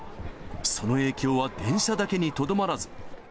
その影響は電車だけにとどまらず。